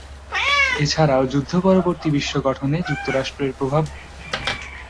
এছাড়াও যুদ্ধ পরবর্তী বিশ্ব গঠনে যুক্তরাষ্ট্রের প্রভাব বিস্তারে উপনিবেশবাদের অবসান হওয়া প্রয়োজন ছিল।